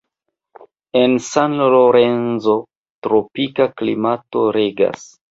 En San Lorenzo tropika klimato regas.